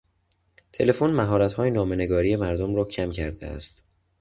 تلفن مهارتهای نامه نگاری مردم را کم کرده است.